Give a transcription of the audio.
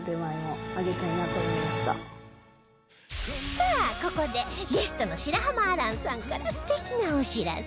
さあここでゲストの白濱亜嵐さんから素敵なお知らせ